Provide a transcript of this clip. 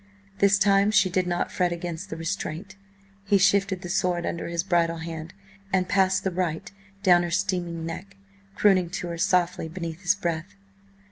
This time she did not fret against the restraint. He shifted the sword under his bridle hand, and passed the right down her steaming neck, crooning to her softly beneath his breath.